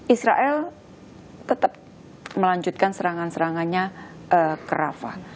israel tetap melanjutkan serangan serangannya ke rafah